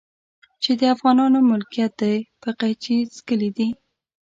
چې د افغانانو ملکيت دی په قيچي څکلي دي.